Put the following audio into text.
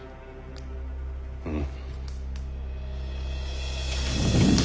うん。